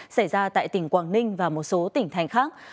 xảy ra tại tỉnh quảng ninh và một số tỉnh thành khác